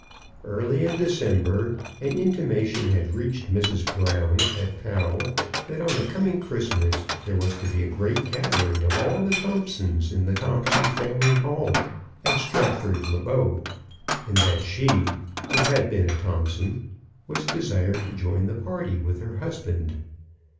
Early in December an intimation had reached Mrs. Brown at Pau that on the coming Christ mas there was to be a great gathering of all the Thompsons in the Thompson family hall at Stratford le Bow, and that she, who had been a Thompson, was desired to join the party with her husband.